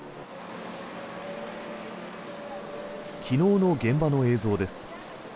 昨日の現場の映像です。